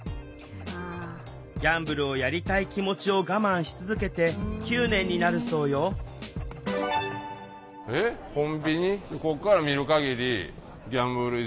ギャンブルをやりたい気持ちを我慢し続けて９年になるそうよＡＴＭ？